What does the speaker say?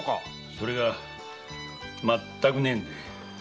それがまったくねえんで。